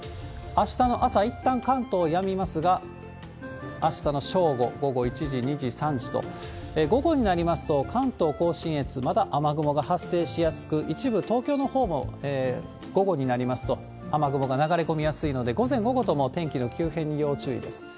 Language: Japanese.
あしたの朝、いったん関東、やみますが、あしたの正午、午後１時、２時、３時と、午後になりますと、関東甲信越、まだ雨雲が発生しやすく、一部東京のほうも午後になりますと、雨雲が流れ込みやすいので、午前、午後とも天気の急変に要注意です。